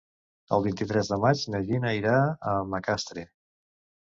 El vint-i-tres de maig na Gina irà a Macastre.